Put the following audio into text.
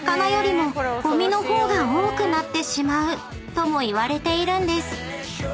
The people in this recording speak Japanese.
［ともいわれているんです］